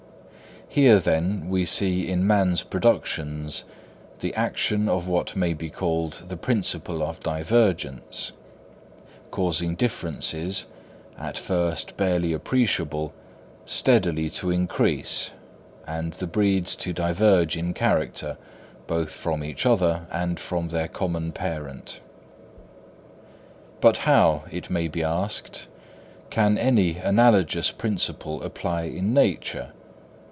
Here, then, we see in man's productions the action of what may be called the principle of divergence, causing differences, at first barely appreciable, steadily to increase, and the breeds to diverge in character, both from each other and from their common parent. But how, it may be asked, can any analogous principle apply in nature?